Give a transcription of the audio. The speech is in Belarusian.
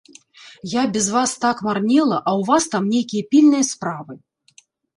Я без вас так марнела, а ў вас там нейкія пільныя справы.